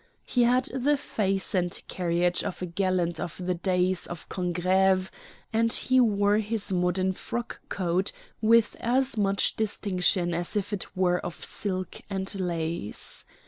He had the face and carriage of a gallant of the days of Congreve, and he wore his modern frock coat with as much distinction as if it were of silk and lace.